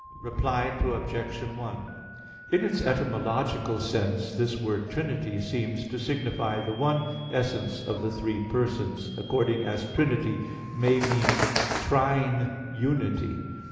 Reply Obj. 1: In its etymological sense, this word "Trinity" seems to signify the one essence of the three persons, according as trinity may mean trine unity.